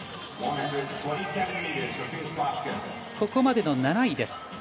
ここまでの７位です。